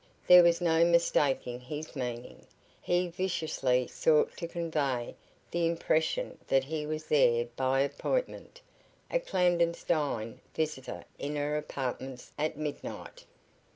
There was no mistaking his meaning. He viciously sought to convey the impression that he was there by appointment, a clandestine visitor in her apartments at midnight.